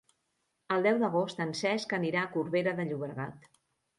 El deu d'agost en Cesc anirà a Corbera de Llobregat.